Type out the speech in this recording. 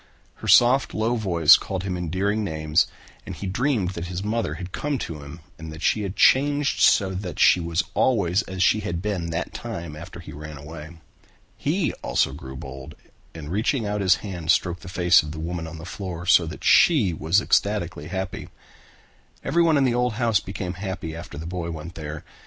Her soft low voice called him endearing names and he dreamed that his mother had come to him and that she had changed so that she was always as she had been that time after he ran away. He also grew bold and reaching out his hand stroked the face of the woman on the floor so that she was ecstatically happy. Everyone in the old house became happy after the boy went there.